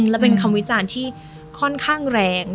และเป็นคำวิจารณ์ที่ค่อนข้างแรง